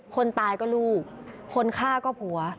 คนตายก็ลูกคนฆ่าก็ผัว